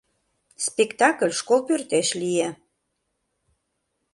Спектакль школ пӧртеш лие.